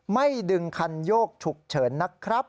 ไม่ดึงคันโยกฉุกเฉินนะครับ